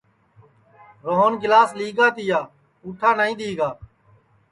روہن گِلاس لِگا تیا پُوٹھا نائی دؔی گا